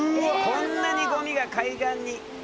こんなにごみが海岸に。